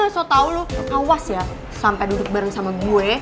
so tau lo awas ya sampai duduk bareng sama gue